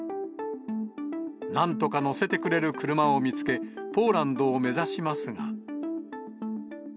なんとか乗せてくれる車を見つけ、ポーランドを目指しますが。